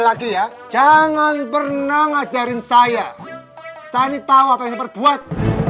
lagi ya jangan pernah ngajarin saya saya ini tahu apa yang saya perbuat